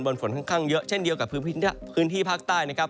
ฝนค่อนข้างเยอะเช่นเดียวกับพื้นที่ภาคใต้นะครับ